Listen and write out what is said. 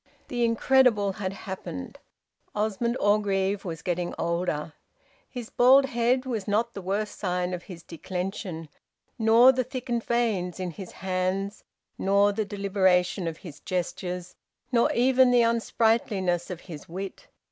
The incredible had happened: Osmond Orgreave was getting older. His bald head was not the worst sign of his declension, nor the thickened veins in his hands, nor the deliberation of his gestures, nor even the unsprightliness of his wit.